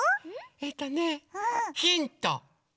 えっとねヒント！